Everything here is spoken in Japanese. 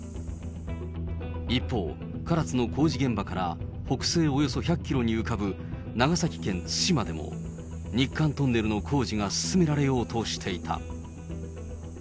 一方、唐津の工事現場から北西およそ１００キロに浮かぶ長崎県対馬でも、日韓トンネルの工事が進められようとしていた。